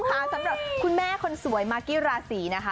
สำหรับคุณแม่คนสวยมากกี้ราศีนะคะ